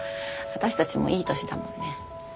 私たちもいい年だもんね。